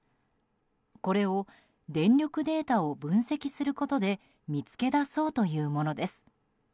これを電力データを分析することで見つけ出そうというものです。